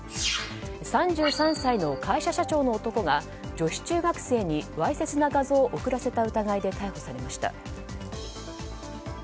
３３歳の会社社長の男が女子中学生にわいせつな画像を送らせた疑いで逮捕されました。